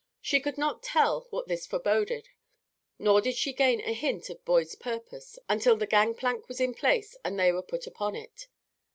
She could not tell what this foreboded, nor did she gain a hint of Boyd's purpose, until the gang plank was in place and they were out upon it.